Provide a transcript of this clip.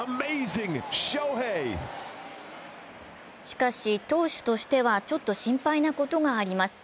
しかし、投手としてはちょっと心配なことがあります。